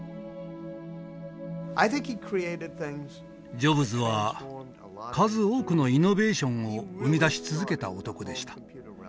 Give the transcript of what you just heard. ジョブズは数多くのイノベーションを生み出し続けた男でした。